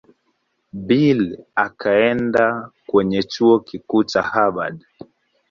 Bill akaenda kwenye Chuo Kikuu cha Harvard.